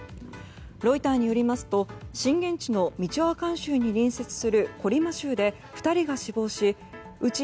ロイターによりますと、震源地のミチョアカン州に隣接するコリマ州で２人が死亡しうち